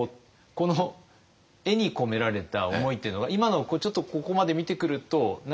この絵に込められた思いっていうのは今のちょっとここまで見てくると何か感じるところあるんですか？